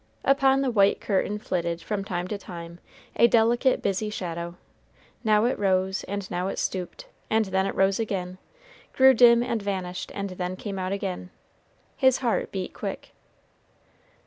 Upon the white curtain flitted, from time to time, a delicate, busy shadow; now it rose and now it stooped, and then it rose again grew dim and vanished, and then came out again. His heart beat quick.